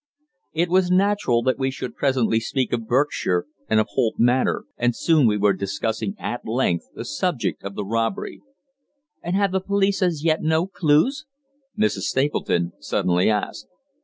It was natural that we should presently speak of Berkshire and of Holt Manor, and soon we were discussing at length the subject of the robbery. "And have the police as yet no clues?" Mrs. Stapleton suddenly asked.